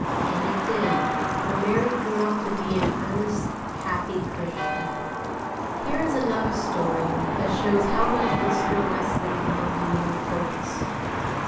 And it did, for Mary grew up to be an earnest, happy Christian. Here is another story that shows how much Mr. Wesley loved the young folks.